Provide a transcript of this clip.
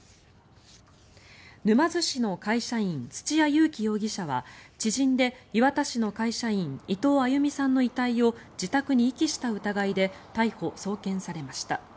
沼津市の会社員土屋勇貴容疑者は知人で磐田市の会社員伊藤亜佑美さんの遺体を自宅に遺棄した疑いで逮捕・送検されました。